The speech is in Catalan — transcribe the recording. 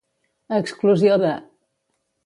A exclusió de.